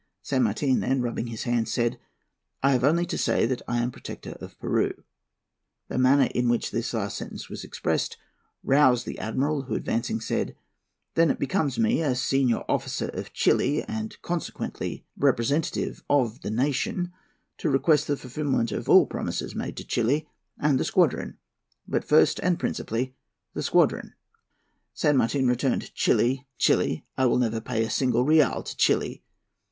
San Martin then, rubbing his hands, said, 'I have only to say that I am Protector of Peru.' The manner in which this last sentence was expressed roused the Admiral, who, advancing, said, 'Then it becomes me, as senior officer of Chili, and consequently the representative of the nation, to request the fulfilment of all the promises made to Chili and the squadron; but first, and principally, the squadron.' San Martin returned, 'Chili! Chili! I will never pay a single real to Chili!